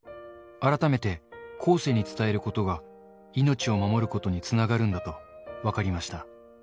改めて、後世に伝えることが、命を守ることにつながるんだと分かりました。